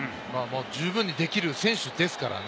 十分にできる選手ですから。